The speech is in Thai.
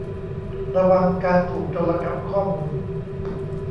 ระวังการถูกโจรกรรมข้อมูล